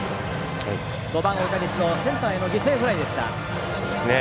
５番、岡西のセンターへの犠牲フライでした。